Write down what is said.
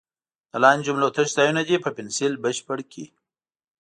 د لاندې جملو تش ځایونه دې په پنسل بشپړ کړي.